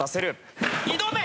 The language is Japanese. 挑め！